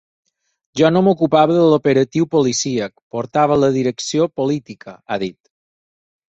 Jo no m’ocupava de l’operatiu policíac, portava la direcció política, ha dit.